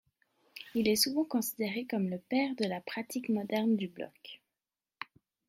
Il est souvent considéré comme le père de la pratique moderne du bloc.